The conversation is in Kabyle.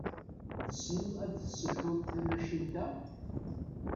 Tessneḍ ad tesselḥuḍ tamacint-a?